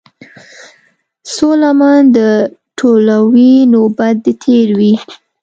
څــــو لمـــن در ټولـــوې نوبت دې تېر وي.